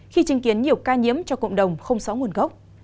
khi chứng kiến nhiều ca nhiễm cho cộng đồng không rõ nguồn gốc